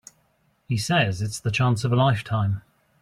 He says it's the chance of a lifetime.